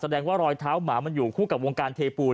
แสดงว่ารอยเท้าหมามันอยู่คู่กับวงการเทปูน